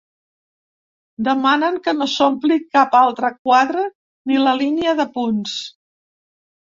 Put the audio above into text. Demanen que no s’ompli cap altre quadre ni la línia de punts.